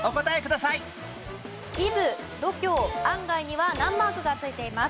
イブ度胸案外には難マークが付いています。